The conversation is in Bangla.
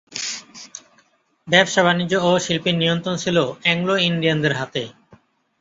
ব্যবসা-বাণিজ্য ও শিল্পের নিয়ন্ত্রণ ছিল অ্যাংলো-ইন্ডিয়ানদের হাতে।